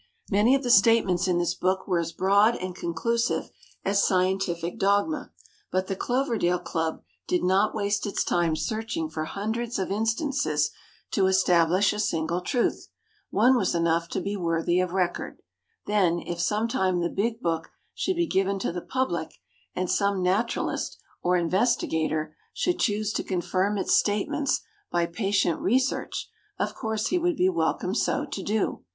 Many of the statements in this book were as broad and conclusive as scientific dogmas, but the Cloverdale Club did not waste its time searching for hundreds of instances to establish a single truth; one was enough to be worthy of record; then, if some time the big book should be given to the public, and some naturalist or investigator should choose to confirm its statements by patient research, of course he would be welcome so to do.